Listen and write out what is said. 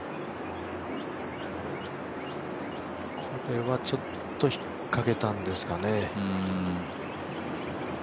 これはちょっと引っかけたんですかね。